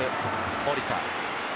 守田。